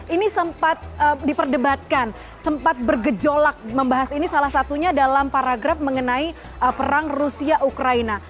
ini sempat diperdebatkan sempat bergejolak membahas ini salah satunya dalam paragraf mengenai perang rusia ukraina